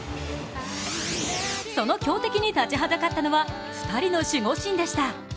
その強敵に立ちはだかったのは２人の守護神でした。